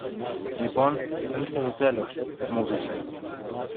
Λοιπόν, ήλθε το τέλος! μούγκρισε.